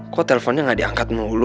kok teleponnya gak diangkat mulu